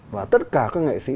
và tất cả các nghệ sĩ